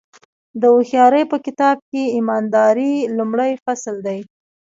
د هوښیارۍ په کتاب کې ایمانداري لومړی فصل دی.